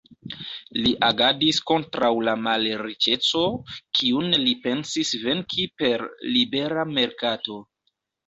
Li agadis kontraŭ la malriĉeco, kiun li pensis venki per libera merkato.